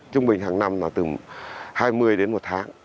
trung bình hàng năm là từ hai mươi đến một tháng